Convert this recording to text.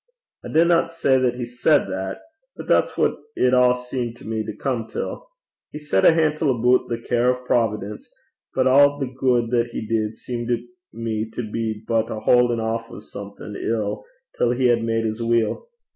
I dinna say that he said that, but that's what it a' seemed to me to come till. He said a hantle aboot the care o' Providence, but a' the gude that he did seemed to me to be but a haudin' aff o' something ill that he had made as weel.